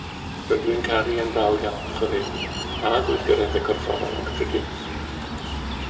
Rydw i'n caru yn fawr iawn chwaraeon a gweithgareddau corfforol yn gyffredinol